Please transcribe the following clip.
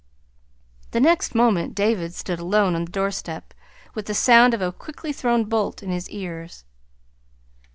The next moment David stood alone on the doorstep, with the sound of a quickly thrown bolt in his ears.